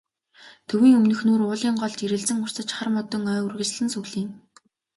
Төвийн өмнөхнүүр уулын гол жирэлзэн урсаж, хар модон ой үргэлжлэн сүглийнэ.